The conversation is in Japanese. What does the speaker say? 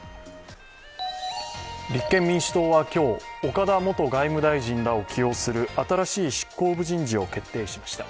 立憲民主党は今日、岡田元外務大臣らを起用する新しい執行部人事を決定しました。